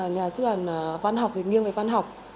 nhà xuất bản văn học nghiêng về văn học